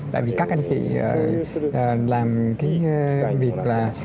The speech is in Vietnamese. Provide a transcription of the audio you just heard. tại vì các anh chị làm cái việc là